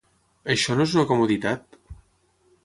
Això no és una comoditat!